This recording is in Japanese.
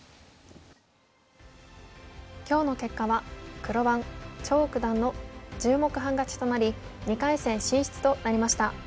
今日の結果は黒番張九段の１０目半勝ちとなり２回戦進出となりました。